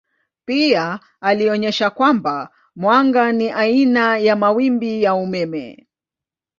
Pia alionyesha kwamba mwanga ni aina ya mawimbi ya umeme.